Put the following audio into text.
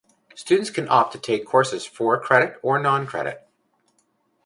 Students can opt to take courses for-credit or non-credit.